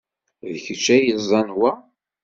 D kečč ay yeẓẓan wa?